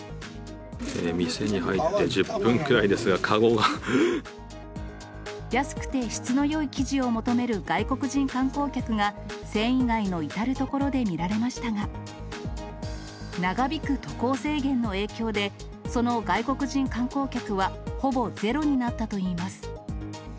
店に入って１０分くらいです安くて質のよい生地を求める外国人観光客が、繊維街の至る所で見られましたが、長引く渡航制限の影響で、その外国人観光客はほぼゼロになったといいます。